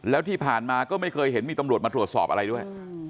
แล้วที่ผ่านมาก็ไม่เคยเห็นมีตำรวจมาตรวจสอบอะไรด้วย